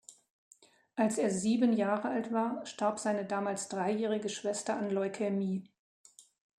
Als er sieben Jahre alt war, starb seine damals dreijährige Schwester an Leukämie.